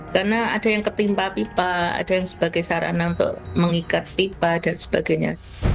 karena ada yang ketimpa pipa ada yang sebagai sarana untuk mengikat pipa dan sebagainya